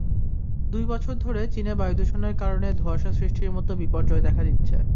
দুই বছর ধরে চীনে বায়ুদূষণের কারণে ধোঁয়াশা সৃষ্টির মতো বিপর্যয় দেখা দিচ্ছে।